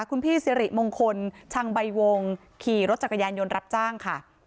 คุณพี่สิริมงคลชังใบวงขี่รถจักรยานยนต์รับจ้างค่ะ